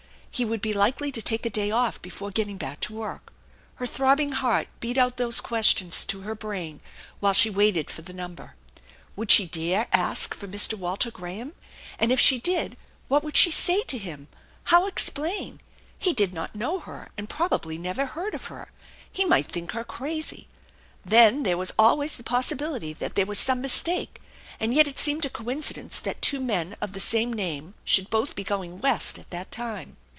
He would be likely to take a day off before getting back to work. Her throbbing heart beat out these questions to her brain while she waited for the number. Would she dare to ask for Mr. Walter Graham? And if she did, what would she say to him ? How explain ? He did not know her, and probably never heard of her. He might think her crazy. Then there ^as always the possibility that there wafl some mistake and yet it seemed a coincidence that two men of the same name should both be going West at that time.